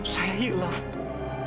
saya ialah ibu